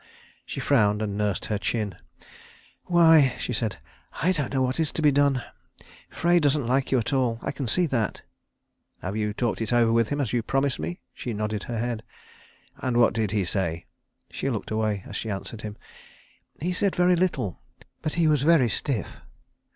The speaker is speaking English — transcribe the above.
She frowned and nursed her chin. "Why," she said, "I don't know what is to be done. Frey doesn't like you at all; I can see that." "Have you talked it over with him as you promised me?" She nodded her head. "And what did he say?" She looked away as she answered him. "He said very little; but he was very stiff."